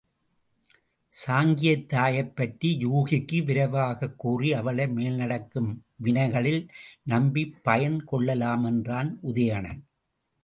சாங்கியத் தாயைப் பற்றி யூகிக்கு விரிவாகக் கூறி, அவளை மேல்நடக்கும் வினைகளில் நம்பிப் பயன் கொள்ளலாம் என்றான் உதயணன்.